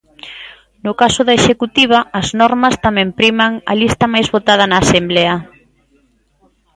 No caso da Executiva as normas tamén priman a lista máis votada na asemblea.